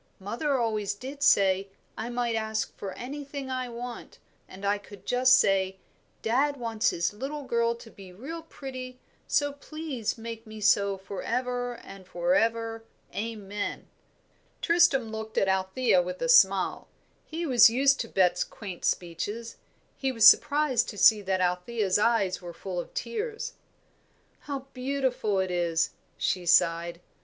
Mother always did say, I might ask for anything I want; and I could just say, 'Dad wants his little girl to be real pretty, so please make me so for ever and for ever. Amen.'" Tristram looked at Althea with a smile; he was used to Bet's quaint speeches. He was surprised to see that Althea's eyes were full of tears. "How beautiful it is!" she sighed.